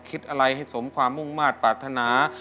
คิดอะไรให้สมความมุ่งมาตรปรารถนา